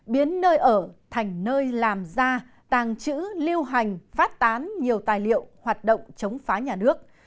biến nơi ở thành nơi làm ra tàng trữ lưu hành phát tán nhiều tài liệu hoạt động chống phá nhà nước